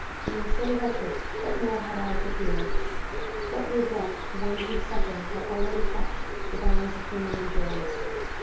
Being so wretched, what more had I to fear? What were death to one whose sufferings had already touched the bounds of human endurance?